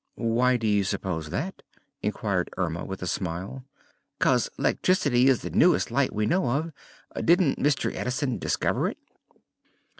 "Why do you suppose that?" inquired Erma, with a smile. "'Cause electric'ty is the newest light we know of. Didn't Mr. Edison discover it?"